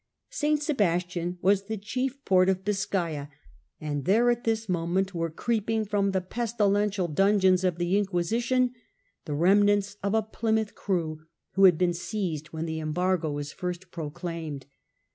St. Sebastian was the chief port of Biscaya, and there at this moment were creeping from the pestilential dungeons of the Inquisi tion the remnants of a Plymouth crew, who had been seized when the embargo was first proclaimed.